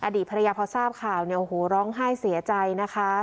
อดีตภรรยาพอทราบข่าวเนี่ยโอ้โหร้องไห้เสียใจนะคะ